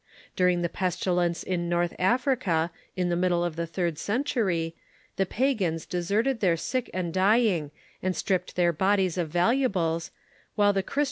During the pestilence in North Africa, in the middle of the third century, the pagans deserted their sick and dying, and stripped their bodies of valuables, while the Chrift.